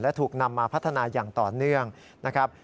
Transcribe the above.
และถูกนำมาพัฒนาอย่างต่อเนื่องนะครับ